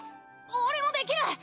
お俺もできる！